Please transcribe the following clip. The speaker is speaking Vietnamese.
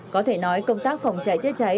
có thể nói công tác phòng cháy chữa cháy